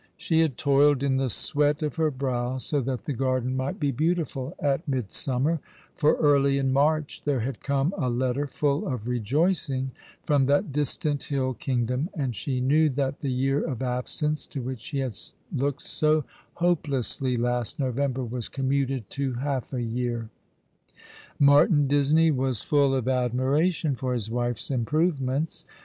She liad toiled in the sv\'eat of her brow so that the garden might be beautiful at mid summer: for early in March there had come a letter full of rejoicing from that distant hill kingdom, and she knew that the year of absence to which she had looked so hopelessly last November was commuted to half a year. Martin Disney was full of admiration for his wife's improvements.